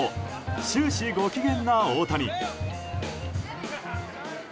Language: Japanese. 終始ご機嫌な大谷。